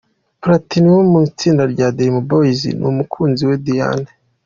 Platini wo mu itsinda rya Dream Boys n’umukunzi we Diane.